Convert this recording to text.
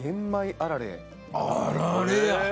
あられや！